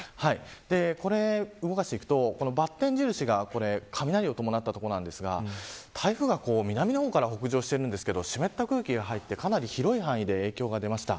これを動かしていくとバツ印が雷が起きた所ですが台風が南から北上していますが湿った空気が入って、かなり広い範囲で影響が出ました。